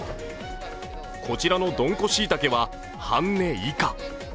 こちらのどんこしいたけは半値以下。